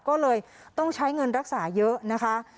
ก็เลยต้องใช้เงินรักษาเยอะนะคะ